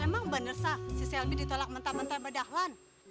emang bener sih si shelby ditolak mentah mentah pada dahlan